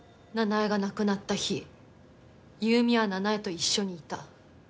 奈々江が亡くなった日優美は奈々江と一緒にいた。